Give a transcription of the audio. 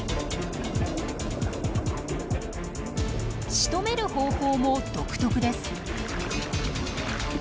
しとめる方法も独特です。